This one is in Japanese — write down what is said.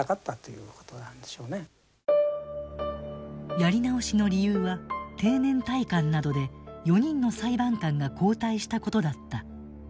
やり直しの理由は定年退官などで４人の裁判官が交代したことだった。